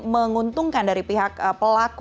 menguntungkan dari pihak pelaku